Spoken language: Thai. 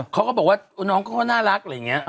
เขาก็บอกว่าน้องเขาก็น่ารักอะไรอย่างนี้